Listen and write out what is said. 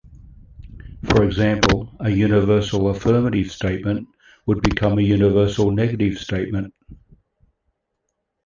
For example, a universal affirmative statement would become a universal negative statement.